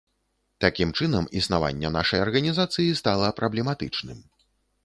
Такім чынам, існаванне нашай арганізацыі стала праблематычным.